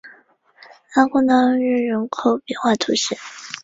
阿贡当日人口变化图示